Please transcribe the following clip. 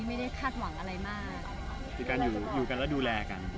ไม่ได้คาดหวังอะไรมากด้วยการอยู่กันและดูแลกัน